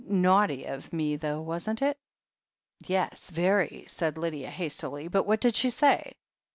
Naughty of me, though, wasn't it?" "Yes, very," said Lydia hastily. "But what did she say?"